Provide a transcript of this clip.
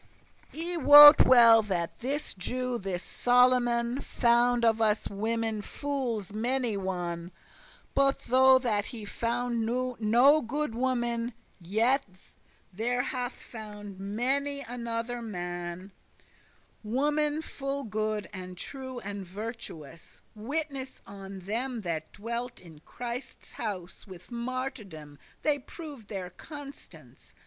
I wot well that this Jew, this Solomon, Found of us women fooles many one: But though that he founde no good woman, Yet there hath found many another man Women full good, and true, and virtuous; Witness on them that dwelt in Christes house; With martyrdom they proved their constance.